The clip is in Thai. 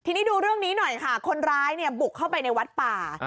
ทีนี้ดูเรื่องนี้หน่อยค่ะคนร้ายเนี่ยบุกเข้าไปในวัดป่า